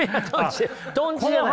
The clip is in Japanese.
とんちじゃない！